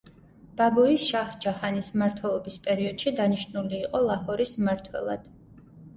ბაბუის, შაჰ-ჯაჰანის მმართველობის პერიოდში დანიშნული იყო ლაჰორის მმართველად.